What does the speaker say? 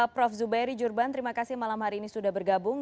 prof zubairi jurban terima kasih malam hari ini sudah bergabung